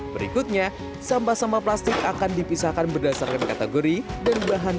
berikutnya sampah sampah plastik akan dipisahkan berdasarkan kategori dan bahan